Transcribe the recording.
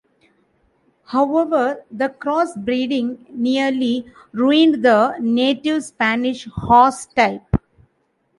However, the crossbreeding nearly ruined the native Spanish horse type.